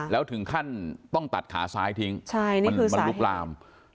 แล้วถึงขั้นต้องตัดขาซ้ายทิ้งมันลุกลาม